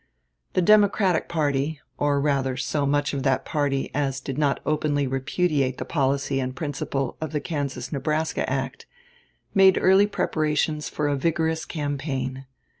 The Democratic party, or rather so much of that party as did not openly repudiate the policy and principle of the Kansas Nebraska act, made early preparations for a vigorous campaign.